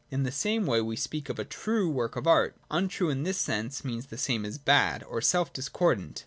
In the same way we speak of a true work of Art. Untrue in this sense means the same as bad, or self discordant.